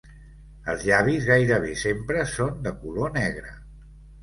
Els llavis gairebé sempre són de color negre.